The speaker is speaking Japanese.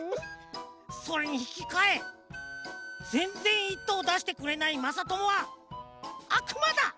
それにひきかえぜんぜん１とうだしてくれないまさともはあくまだ！